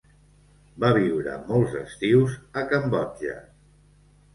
Va viure molts estius a Cambodja.